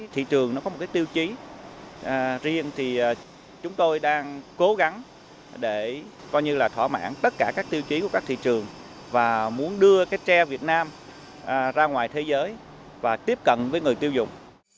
thị trường có một tiêu chí riêng thì chúng tôi đang cố gắng để thỏa mãn tất cả các tiêu chí của các thị trường và muốn đưa tre việt nam ra ngoài thế giới và tiếp cận với người tiêu dùng